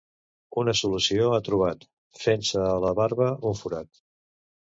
una solució ha trobat: fent-se a la barba un forat